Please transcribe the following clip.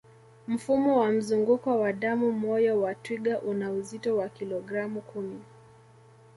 Mfumo wa mzunguko wa damu moyo wa twiga una uzito wa kilogramu kumi